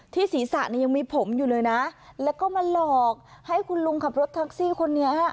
ศีรษะเนี่ยยังมีผมอยู่เลยนะแล้วก็มาหลอกให้คุณลุงขับรถแท็กซี่คนนี้